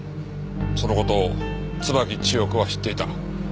その事を椿千代子は知っていた。